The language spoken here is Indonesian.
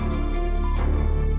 pak aku mau pergi